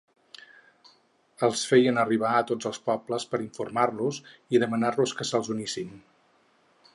Els feien arribar a tots els pobles per informar-los i demanar-los que se'ls unissin.